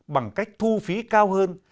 bằng cách thu phí cao hơn